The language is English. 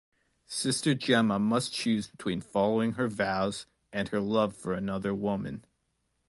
Sister Gemma must choose between following her vows and her love for another woman.